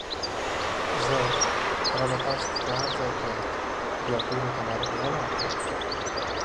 زه: ربه تاسې خو په هر ځای کې یاست بیا ټولو ته لارښوونه وکړه!